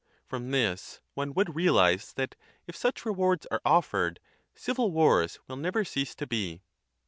From this, one would realize that, if such rewards are offered, civil wars will never cease to be.